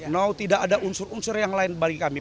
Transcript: no tidak ada unsur unsur yang lain bagi kami